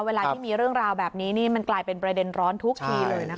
เวลาที่มีเรื่องราวแบบนี้นี่มันกลายเป็นประเด็นร้อนทุกทีเลยนะคะ